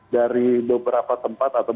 dari beberapa tempat atau